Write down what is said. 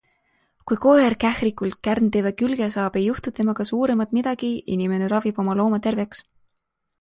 Kui koer kährikult kärntõve külge saab, ei juhtu temaga suuremat midagi - inimene ravib oma looma terveks.